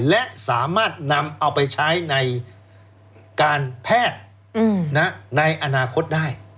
และสามารถนำเอาไปใช้ในการแพทย์ในอนาคตได้